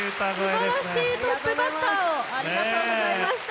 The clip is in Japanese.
すばらしいトップバッターをありがとうございました。